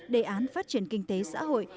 đề án phát triển kinh tế xã hội